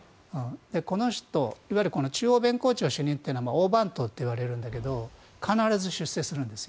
この人、いわゆる中央弁公庁主任というのは大番頭といわれるんだけど必ず出世するんです。